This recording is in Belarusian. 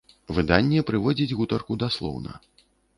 Выданне прыводзіць гутарку даслоўна.